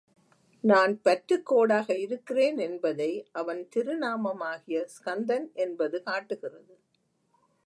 நான் பற்றுக்கோடாக இருக்கிறேன் என்பதை அவன் திருநாமமாகிய ஸ்கந்தன் என்பது காட்டுகிறது.